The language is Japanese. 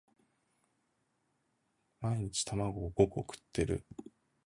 毎日卵五個食ってる？